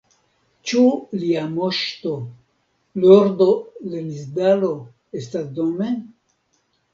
Ĉu Lia Moŝto, Lordo Lenisdalo estas dome?